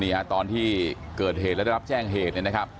ตอนที่เกิดเหตุแล้วได้รับแจ้งเหตุเนี่ยนะครับ